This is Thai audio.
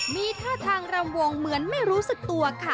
มีท่าทางรำวงเหมือนไม่รู้สึกตัวค่ะ